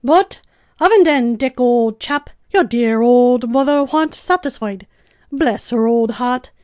But aven thin, Dick, ould chap, yer dear ould mother wern't satisfied, bless her ould heart.